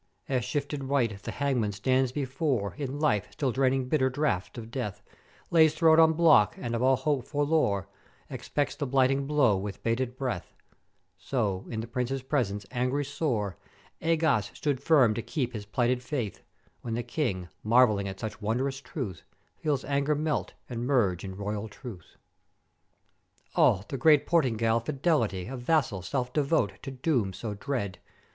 "As shrifted wight the hangman stands before, in life still draining bitter draught of death, lays throat on block, and of all hope forlore, expects the blighting blow with bated breath: So, in the Prince's presence angry sore, Egás stood firm to keep his plighted faith: When the King, marv'elling at such wondrous truth, feels anger melt and merge in Royal ruth. "Oh the great Portingall fidelity of Vassal self devote to doom so dread!